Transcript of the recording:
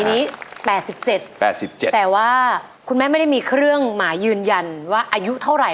อันนี้๘๗๘๗แต่ว่าคุณแม่ไม่ได้มีเครื่องหมายยืนยันว่าอายุเท่าไหร่